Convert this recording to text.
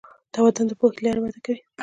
تمدن د پوهې له لارې وده کوي.